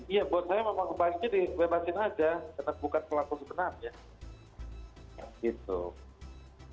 iya buat saya memang kebaiknya dibebasin aja